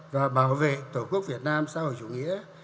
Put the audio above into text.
và bảo vệ tổ quốc việt nam xã hội chủ nghĩa